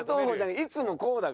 いつもこうだから。